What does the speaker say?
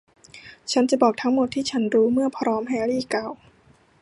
ฉันจะบอกทั้งหมดที่ฉันรู้เมื่อพร้อม แฮร์รี่กล่าว